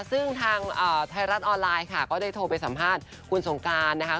ซึ่งทางไทยรัฐออนไลน์ค่ะก็ได้โทรไปสัมภาษณ์คุณสงการนะคะ